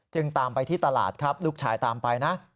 ตามไปที่ตลาดครับลูกชายตามไปนะ